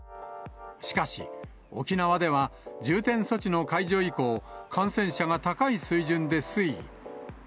しかし、沖縄では重点措置の解除以降、感染者が高い水準で推移。